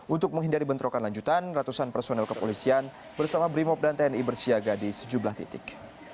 untuk menghindari bentrokan lanjutan ratusan personel kepolisian bersama brimob dan tni bersiaga di sejumlah titik